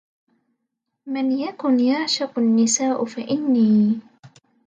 من يكن يعشق النساء فإني